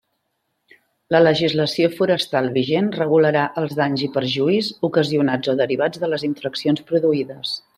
La legislació forestal vigent regularà els danys i perjuís ocasionats o derivats de les infraccions produïdes.